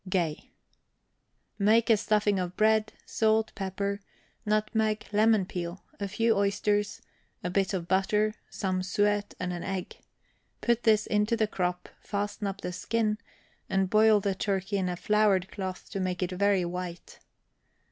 GAY. Make a stuffing of bread, salt, pepper, nutmeg, lemon peel, a few oysters, a bit of butter, some suet, and an egg; put this into the crop, fasten up the skin, and boil the turkey in a floured cloth to make it very white.